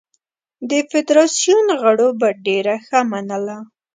د فدراسیون غړو به ډېره ښه منله.